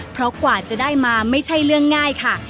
เพราะกว่าจะได้มาไม่ใช่เรื่องง่ายค่ะ